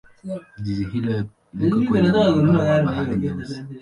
Jiji hilo liko kwenye mwambao wa Bahari Nyeusi.